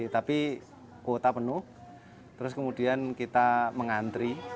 tapi kuota penuh terus kemudian kita mengantri